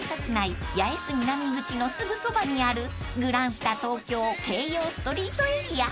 八重洲南口のすぐそばにあるグランスタ東京京葉ストリートエリア］